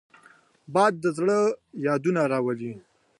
باد د زړه یادونه راولي